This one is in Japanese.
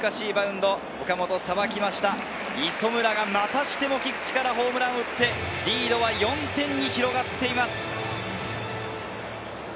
磯村がまたしても菊地からホームランを打ってリードは４点に広がっています。